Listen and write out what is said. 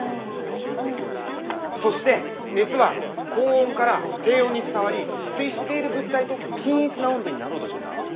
そして熱は高温から低温に伝わり接している物体と均一な温度になろうとします。